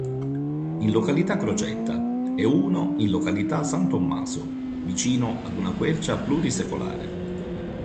In località Crocetta e uno in località san Tommaso, vicino ad una quercia plurisecolare.